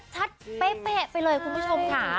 เป๊ะไปเลยคุณผู้ชมค่ะ